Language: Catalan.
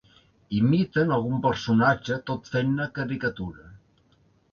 Imiten algun personatge tot fent-ne caricatura.